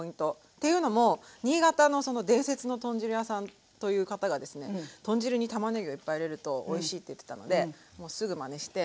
っていうのも新潟の伝説の豚汁屋さんという方がですね豚汁にたまねぎをいっぱい入れるとおいしいって言ってたのでもうすぐまねして。